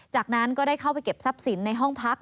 จากนั้นก็ได้เข้าไปเก็บทรัพย์สินในห้องพัก